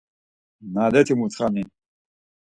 Naleti mutxani!